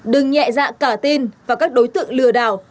đừng nhẹ dạ cả tin và các đối tượng lừa đảo